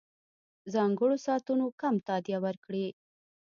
ځانګړو ساعتونو کم تادیه ورکړي.